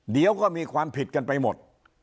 เดี๋ยวก็มีความผิดกันไปหมด